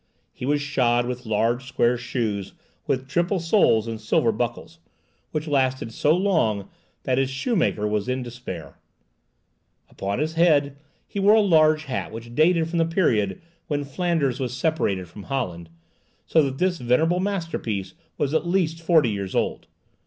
He was shod with large square shoes with triple soles and silver buckles, which lasted so long that his shoemaker was in despair. Upon his head he wore a large hat which dated from the period when Flanders was separated from Holland, so that this venerable masterpiece was at least forty years old.